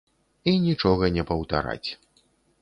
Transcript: І нічога не паўтараць.